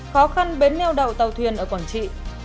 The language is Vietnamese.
khó khăn bến neo đậu tàu thuyền ở quảng trị